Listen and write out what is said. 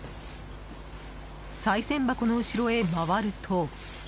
さい銭箱の後ろへ回ると。